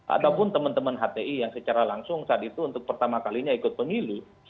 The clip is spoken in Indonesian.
ataupun teman teman hti yang secara langsung saat itu untuk pertama kalinya ikut pemilu